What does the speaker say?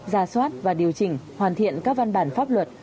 ra soát và điều chỉnh hoàn thiện các văn bản pháp luật